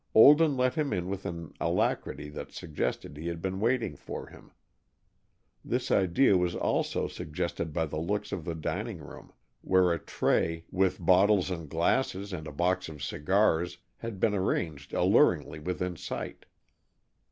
Olden let him in with an alacrity that suggested he had been waiting for him. This idea was also suggested by the looks of the dining room, where a tray, with bottles and glasses and a box of cigars, had been arranged alluringly within sight.